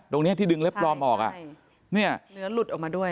ตรงนี้ที่ดึงเล็บปลอมออกอ่ะเนี่ยเหลือหลุดออกมาด้วย